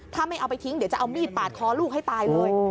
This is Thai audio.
ถ้าไม่เอาไปทิ้งเดี๋ยวจะเอามีดปาดคอลูกให้ตายเลย